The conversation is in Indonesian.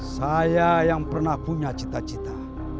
saya yang pernah punya cita cita